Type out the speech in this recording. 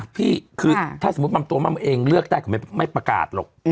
พี่คือถ้าสมมติตัวเองเลือกได้ไม่ประกาศหรอก